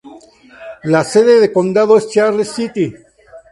La sede de condado es Charles City.